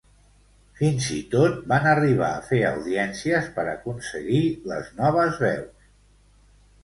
Fins i tot, van arribar a fer audiències per aconseguir les noves veus.